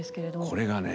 これがね